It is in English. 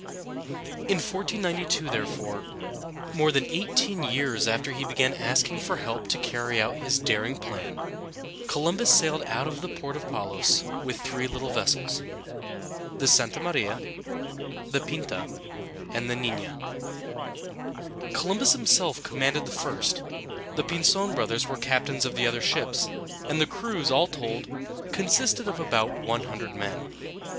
In 1492, therefore, more than eighteen years after he began asking for help to carry out his daring plan, Columbus sailed out of the port of Palos with three little vessels the Santa Maria (sahn´tah mah ree´ah), the Pinta (peen´tah), and the Niña (neen´yah). Columbus himself commanded the first, the Pinzon brothers were captains of the other ships, and the crews, all told, consisted of about one hundred men.